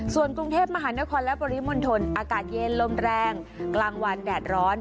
ส่วนกรุงเทพมหานครและปริมณฑลอากาศเย็นลมแรงกลางวันแดดร้อน